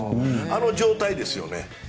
あの状態ですよね。